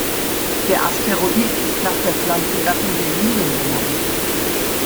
Der Asteroid ist nach der Pflanzengattung der Lilien benannt.